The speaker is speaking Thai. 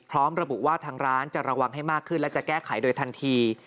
พร้อมระบุว่าทางร้านจะระวังให้มากขึ้นและจะแก้ไขโดยทันที